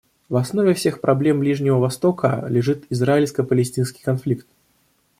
В основе всех проблем Ближнего Востока лежит израильско-палестинский конфликт.